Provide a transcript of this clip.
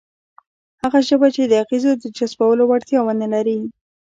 هغه ژبه چې د اغېزو د جذبولو وړتیا ونه لري،